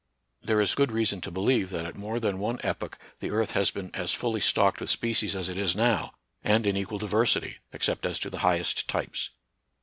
There is good reason to believe that at more than one epoch the earth has been as fully stocked with species as it is now, and in equal diversity, except as to the highest types.